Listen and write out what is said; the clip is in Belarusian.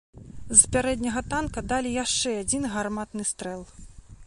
З пярэдняга танка далі яшчэ адзін гарматны стрэл.